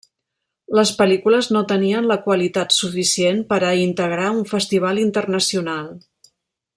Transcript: Les pel·lícules no tenien la qualitat suficient per a integrar un festival internacional.